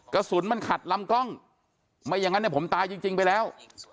กระสุนมันขัดลำกล้องไม่อย่างนั้นเนี่ยผมตายจริงไปแล้ว